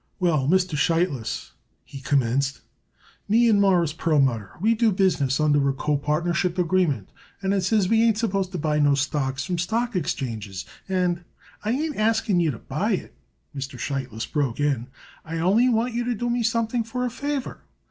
"Well, Mr. Sheitlis," he commenced, "me and Mawruss Perlmutter we do business under a copartnership agreement, and it says we ain't supposed to buy no stocks from stock exchanges, and " "I ain't asking you to buy it," Mr. Sheitlis broke in. "I only want you to do me something for a favor.